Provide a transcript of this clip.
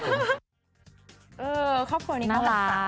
เออครอบครัวนี้น่ารักสักนิดนึงนะคะ